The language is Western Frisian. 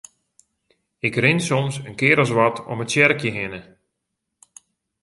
Ik rin soms in kear as wat om it tsjerkje hinne.